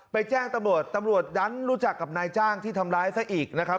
แจ้งตำรวจตำรวจดันรู้จักกับนายจ้างที่ทำร้ายซะอีกนะครับ